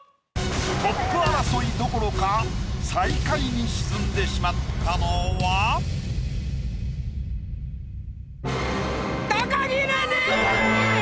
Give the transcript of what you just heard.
トップ争いどころか最下位に沈んでしまったのは⁉高城れに！